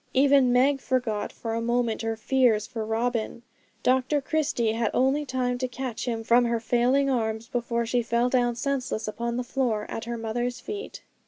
Even Meg forgot for a moment her fears for Robin. Dr Christie had only time to catch him from her failing arms, before she fell down senseless upon the floor at her mother's feet.